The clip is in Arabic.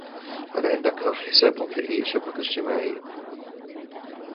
هل عندك حساب في أي شبكة اجتماعية ؟